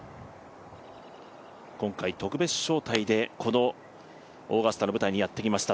今回、特別招待でこのオーガスタの舞台にやってきました。